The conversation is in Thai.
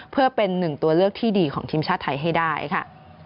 เพื่อเป็นหนึ่งตัวเลือกที่ดีของทีมชาติไทยให้ได้ค่ะ